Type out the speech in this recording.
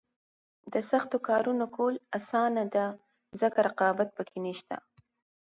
د سختو کارونو کول اسانه دي ځکه رقابت پکې نشته.